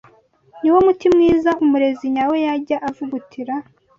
niwo muti mwiza umurezi nyawe yajya avugutira